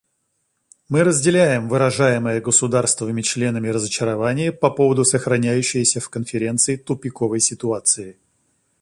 Мы разделяем выражаемое государствами-членами разочарование по поводу сохраняющейся в Конференции тупиковой ситуации.